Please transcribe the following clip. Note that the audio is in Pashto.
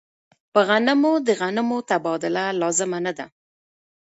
په غنمو د غنمو تبادله لازمه نه ده.